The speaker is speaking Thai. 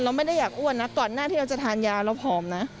เราไม่ได้อยากอ้วนนะก่อนหน้าที่เราจะทานยาเราผอมนะ